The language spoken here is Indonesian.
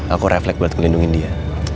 aku reflek buat ngelindungin dia